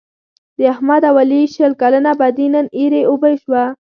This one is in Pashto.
د احمد او علي شل کلنه بدي نن ایرې اوبه شوله.